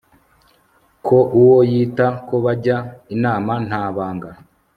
ko uwo yita ko bajya inama nta banga